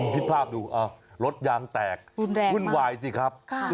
คิดภาพดูรถยางแตกวุ่นวายสิครับ